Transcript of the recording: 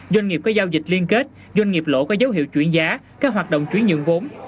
doanh nghiệp có giao dịch liên kết doanh nghiệp lỗ có dấu hiệu chuyển giá các hoạt động chuyển nhượng vốn